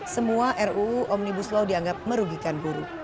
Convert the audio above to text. semua ruu omnibus law dianggap merugikan buruh